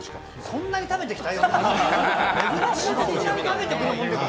そんなに食べてきた？